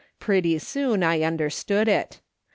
Pretty soon I understood it.